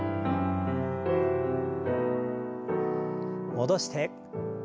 戻して。